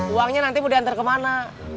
uangnya nanti mau diantar kemana